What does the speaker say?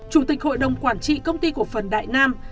chủ tịch hội đồng quản trị công ty cổ phần đại nam